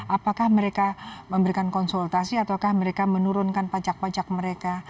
apakah mereka memberikan konsultasi ataukah mereka menurunkan pajak pajak mereka